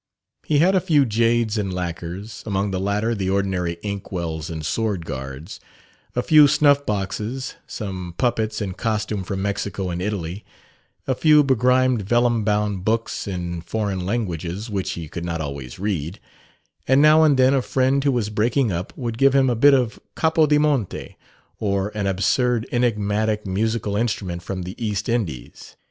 He had a few jades and lacquers among the latter, the ordinary inkwells and sword guards; a few snuff boxes; some puppets in costume from Mexico and Italy; a few begrimed vellum bound books in foreign languages (which he could not always read); and now and then a friend who was "breaking up" would give him a bit of Capo di Monte or an absurd enigmatic musical instrument from the East Indies.